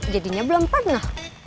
jadinya belum pernah